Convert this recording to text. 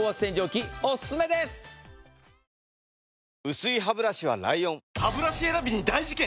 薄いハブラシは ＬＩＯＮハブラシ選びに大事件！